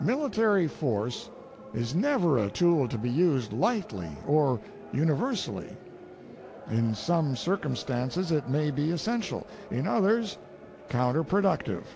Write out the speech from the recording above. Military force is never a tool to be used lightly or universally. In some circumstances it may be essential, in others counterproductive.